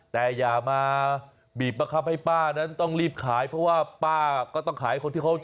แต่อย่ามาบีบประคับให้ป้านั้นต้องรีบขาย